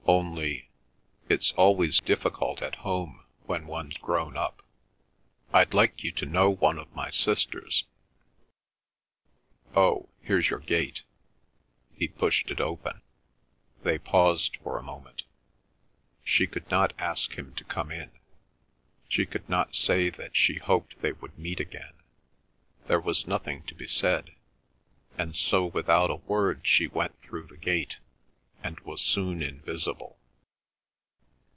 Only—it's always difficult at home when one's grown up. I'd like you to know one of my sisters. ... Oh, here's your gate—" He pushed it open. They paused for a moment. She could not ask him to come in. She could not say that she hoped they would meet again; there was nothing to be said, and so without a word she went through the gate, and was soon invisible.